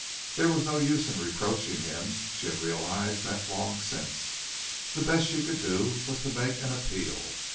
There was no use in reproaching him she had realized that long since. The best she could do was to make an appeal.